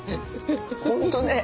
本当ね。